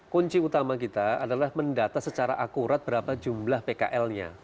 kunci utama kita adalah mendata secara akurat berapa jumlah pkl nya